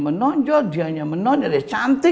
menonjol dianya menonjol ya udah cantik